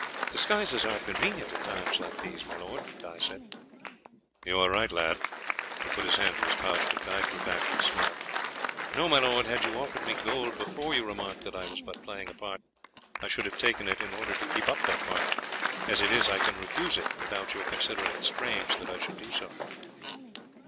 "Disguises are convenient in times like these, my lord," Guy said. "You are right, lad." He put his hand to his pouch, but Guy drew back with a smile. "No, my lord, had you offered me gold before you remarked that I was but playing a part, I should have taken it in order to keep up that part; as it is I can refuse it without your considering it strange that I should do so."